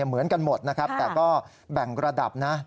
เหมือนกันหมดนะครับแต่ก็แบ่งระดับนะ